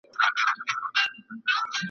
په څو ځله لوستلو یې په معنا نه پوهېږم .